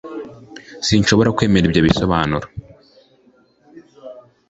s sinshobora kwemera ibyo bisobanuro